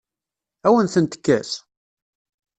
Ad awen-tent-tekkes?